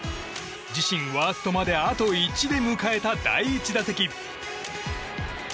自身ワーストまであと１で迎えた第１打席。